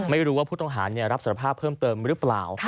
ไม่รู้ว่าผู้ต้องหารับสารภาพเพิ่มเติมหรือเปล่า